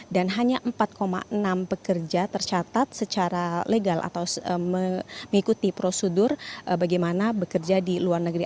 hanya empat enam pekerja tercatat secara legal atau mengikuti prosedur bagaimana bekerja di luar negeri